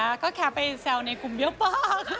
แล้วก็แค่ไปสาวในกลุ่มเปรี้ยวปาก